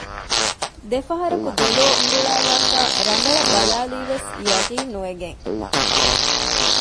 ދެފަހަރަކު ދެލޯ އުނގުޅާލާފައި ރަނގަޅަށް ބަލައިލީވެސް ޔަޤީންނުވެގެން